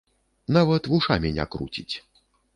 Нават вушамі не круціць.